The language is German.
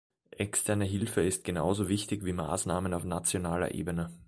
Externe Hilfe ist genauso wichtig wie Maßnahmen auf nationaler Ebene.